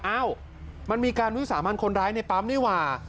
อ้าวมันมีการวิสามันคนร้ายในปั๊มนี่หว่า